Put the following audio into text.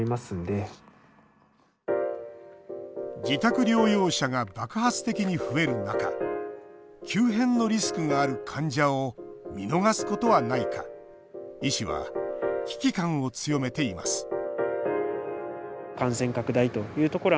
自宅療養者が爆発的に増える中急変のリスクがある患者を見逃すことはないか医師は危機感を強めています